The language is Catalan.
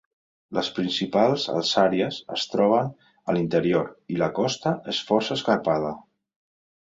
Les principals alçàries es troben a l'interior, i la costa és força escarpada.